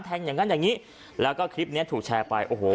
อย่างงั้นอย่างงี้แล้วก็คลิปเนี้ยถูกแชร์ไปโอ้โห